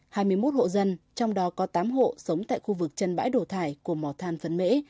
hai mươi một hộ dân trong đó có tám hộ sống tại khu vực chân bãi đổ thải của mỏ than phấn mễ